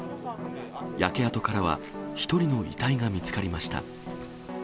焼け跡からは１人の遺体が見つかりました。